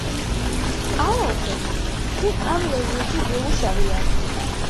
არაუშავს, ჩვენ ამ რეჟიმში გვიმუშავია.